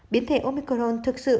biến thể omicron thực sự